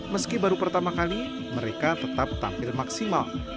meski baru pertama kali mereka tetap tampil maksimal